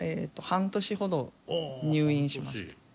半年ほど入院しました。